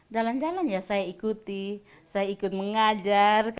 jalan jalan ya saya ikuti saya ikut mengajar